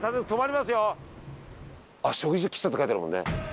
「食事と喫茶」って書いてあるもんね。